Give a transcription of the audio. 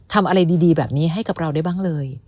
ทำอะไรดีแบบนี้ให้กับเราได้บ้างเลย